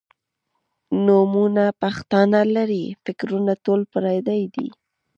نومونه پښتانۀ لــري فکـــــــــــرونه ټول پردي دي